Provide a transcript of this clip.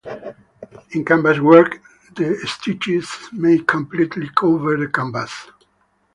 In canvas work the stitches may completely cover the canvas.